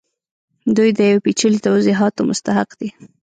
دوی د یو پیچلي توضیحاتو مستحق دي